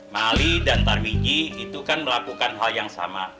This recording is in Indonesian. mali dan tarmiji itu kan melakukan hal yang sama